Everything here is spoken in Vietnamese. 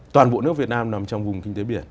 toàn bộ nước việt nam nằm trong vùng kinh tế biển